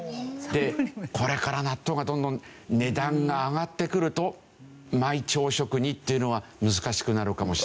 でこれから納豆がどんどん値段が上がってくると毎朝食にっていうのは難しくなるかもしれない。